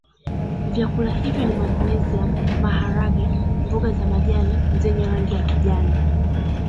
Vyakula hivyo ni magnesium maharage mboga za majani zenye rangi ya kijani